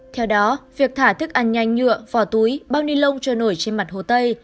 theo đó việc thả thức ăn nhanh nhựa phỏ túi bao ni lông trôi nổi trên mặt hồ tây